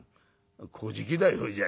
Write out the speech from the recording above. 「こじきだよそれじゃ」。